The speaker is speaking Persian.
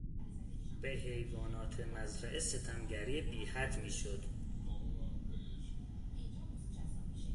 به حیوانات مزرعه ستمگری بیحد میشد.